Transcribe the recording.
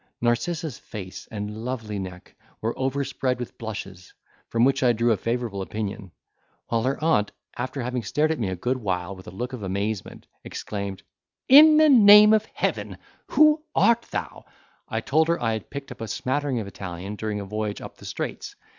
Narcissa's face and lovely neck were overspread with blushes, from which I drew a favourable opinion, while her aunt, after having stared at me a good while with a look of amazement, exclaimed, "In the name of heaven who art thou?" I told her I had picked up a smattering of Italian, during a voyage up the Straits.